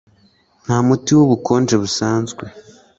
Nta muti wubukonje busanzwe